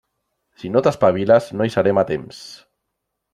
Si no t'espaviles, no hi serem a temps.